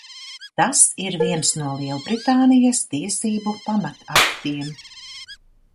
Tas ir viens no Lielbritānijas tiesību pamataktiem.